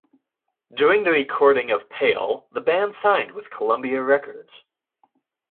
During the recording of "Pale", the band signed with Columbia Records.